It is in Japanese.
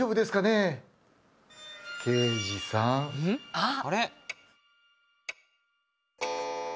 あっ。